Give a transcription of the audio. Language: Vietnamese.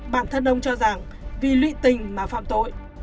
bản thân ông cho rằng vì lụy tình mà phạm tội